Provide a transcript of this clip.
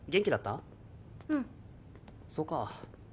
そうか。